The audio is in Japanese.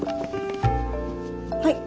はい。